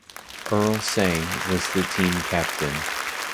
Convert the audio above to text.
Earl Sang was the team captain.